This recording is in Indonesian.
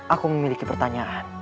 aku memiliki pertanyaan